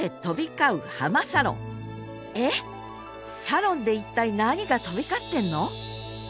サロンで一体何か飛び交ってるの？